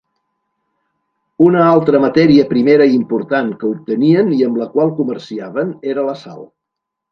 Una altra matèria primera important que obtenien i amb la qual comerciaven era la sal.